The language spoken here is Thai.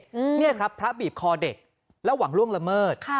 เนี่ยครับพระบีบคอเด็กแล้วหวังล่วงละเมิดค่ะ